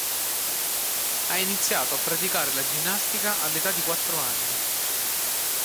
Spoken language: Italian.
Ha iniziato a praticare la ginnastica all'età di quattro anni.